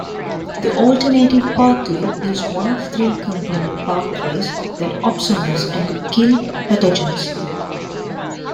The alternative pathway is one of three complement pathways that opsonize and kill pathogens.